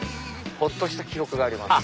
ほっとした記憶があります。